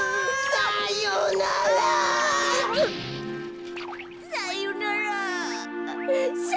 さよなら！